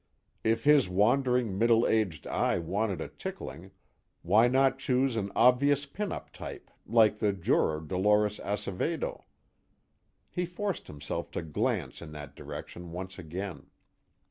If his wandering middle aged eye wanted a tickling, why not choose an obvious pin up type like the juror Dolores Acevedo? He forced himself to glance in that direction once again.